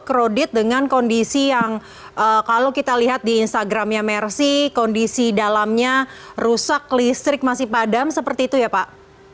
krodit dengan kondisi yang kalau kita lihat di instagramnya mercy kondisi dalamnya rusak listrik masih padam seperti itu ya pak